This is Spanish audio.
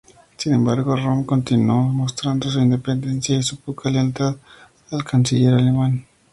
Sin embargo, Röhm continuó mostrando su independencia y su poca lealtad al canciller alemán.